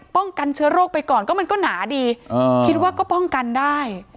ป้องกันเชื้อโรคไปก่อนก็มันก็หนาดีคิดว่าก็ป้องกันได้